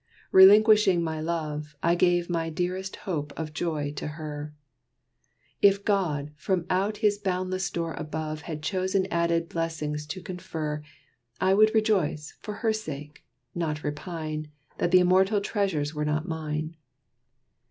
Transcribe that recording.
Relinquishing my love, I gave my dearest hope of joy to her. If God, from out his boundless store above, Had chosen added blessings to confer, I would rejoice, for her sake not repine That th' immortal treasures were not mine.